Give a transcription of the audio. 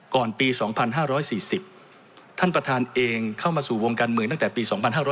ก่อนปี๒๕๔๐ท่านประธานเองเข้ามาสู่วงการเมืองตั้งแต่ปี๒๕๕๙